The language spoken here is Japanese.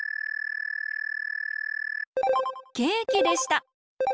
ケーキでした！